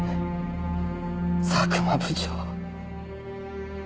佐久間部長。